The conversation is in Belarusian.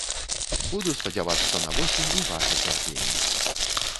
Буду спадзявацца на восень і ваша цярпенне.